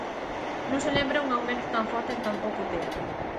Non se lembra un aumento tan forte en tan pouco tempo.